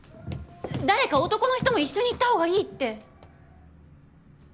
誰か男の人も一緒に行った方がいいって。